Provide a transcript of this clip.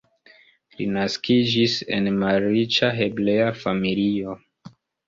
Li naskiĝis en malriĉa hebrea familio.